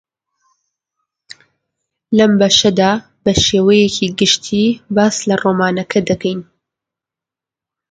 گوتی من کوڕی فڵان کەسم.